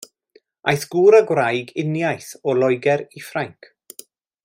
Aeth gŵr a gwraig uniaith o Loegr i Ffrainc.